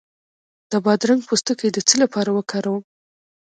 د بادرنګ پوستکی د څه لپاره وکاروم؟